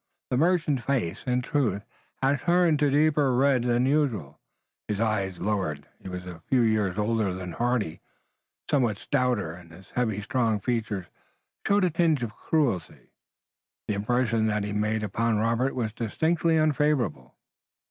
The merchant's face, in truth, had turned to deeper red than usual, and his eyes lowered. He was a few years older than Hardy, somewhat stouter, and his heavy strong features showed a tinge of cruelty. The impression that he made upon Robert was distinctly unfavorable.